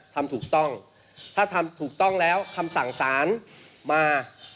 ทำถูกต้องถ้าทำถูกต้องแล้วคำสั่งสารมา